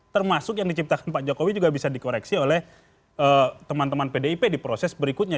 termasuk yang diciptakan pak jokowi juga bisa dikoreksi oleh teman teman pdip di proses berikutnya